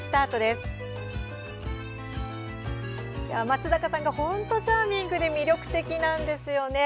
松坂さんが本当にチャーミングで魅力的ですよね。